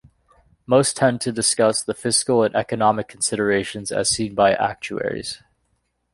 Most tend to discuss the fiscal and economic considerations as seen by actuaries.